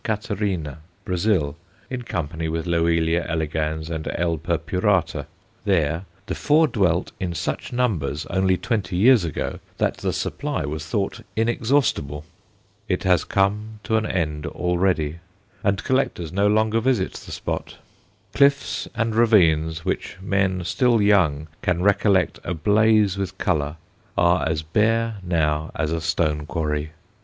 Catarina, Brazil, in company with Loelia elegans and L. purpurata. There the four dwelt in such numbers only twenty years ago that the supply was thought inexhaustible. It has come to an end already, and collectors no longer visit the spot. Cliffs and ravines which men still young can recollect ablaze with colour, are as bare now as a stone quarry.